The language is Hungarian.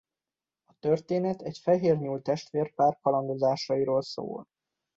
A történet egy fehér nyúl-testvérpár kalandozásairól szól.